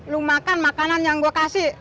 lo makan makanan yang gue kasih